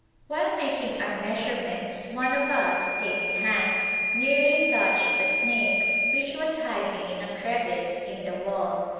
While making our measurements one of us, tape in hand, nearly touched a snake which was hiding in a crevice in the wall.